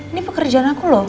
ini pekerjaan aku loh